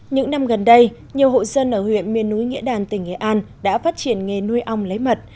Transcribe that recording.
những năm gần đây nhiều hộ dân ở huyện miền núi nghĩa đàn tỉnh nghệ an đã phát triển nghề nuôi ong lấy mật